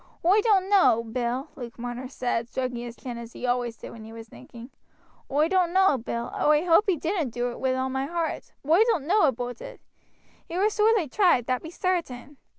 "Oi doan't know, Bill," Luke Marner said, stroking his chin as he always did when he was thinking; "oi doan't know, Bill oi hoape he didn't do it, wi' all my heart. But oi doan't know aboot it. He war sorely tried that be sartain.